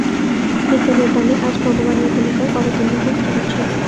বিজ্ঞানের দানে আজ ভগবানের ভূমিকায় অবতীর্ণ হন চিকিৎসক।